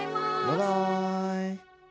バイバイ。